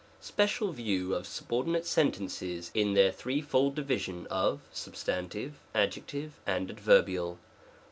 Special View of Subordinate Sentences IN their threefold Division of Substan TivE, Adjective, and Adverbial.